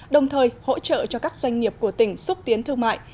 đồng thời hỗ trợ cho các doanh nghiệp của tỉnh xúc tiến thương mại